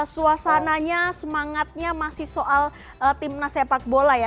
suasananya semangatnya masih soal timnas sepak bola ya